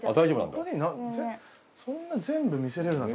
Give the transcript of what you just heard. そんな全部見せれるなんて